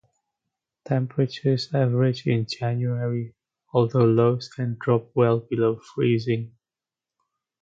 Temperatures average in January, although lows can drop well below freezing.